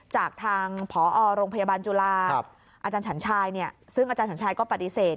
จากทางผโรงพยาบาลจุฬาอฉันชายเนี่ยซึ่งอฉันชายก็ปฏิเสธ